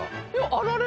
あられ？